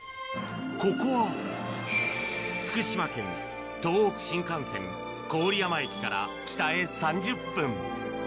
ここは福島県、東北新幹線郡山駅から北へ３０分。